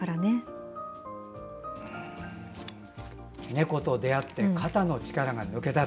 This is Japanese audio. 猫と出会って肩の力が抜けた。